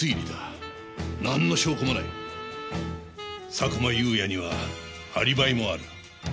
佐久間有也にはアリバイもある。